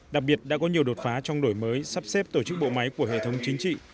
đặc biệt đã có nhiều đột phá trong đổi mới sắp xếp tổ chức bộ máy của hệ thống chính trị